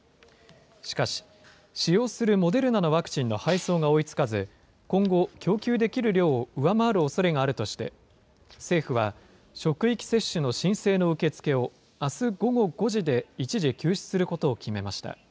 しかし、使用するモデルナのワクチンの配送が追いつかず、今後、供給できる量を上回るおそれがあるとして、政府は職域接種の申請の受け付けを、あす午後５時で、一時休止することを決めました。